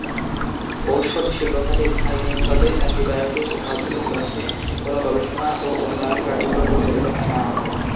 ঔষধ শিল্পখাতে স্থানীয়ভাবে অ্যান্টিবায়োটিক উৎপাদনের লক্ষ্যে কোনো গবেষণা ও উন্নয়ন কার্যক্রম পরিচালিত হয় না।